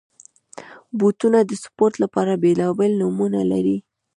بوټونه د سپورټ لپاره بېلابېل نومونه لري.